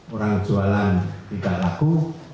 orang jualan tidak ragu